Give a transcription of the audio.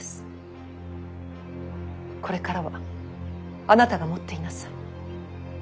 これからはあなたが持っていなさい。